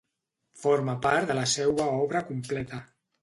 Forma part de la seua obra completa.